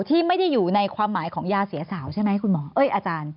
ที่ไม่ได้อยู่ในความหมายของยาเสียสาวใช่ไหมคุณหมอเอ้ยอาจารย์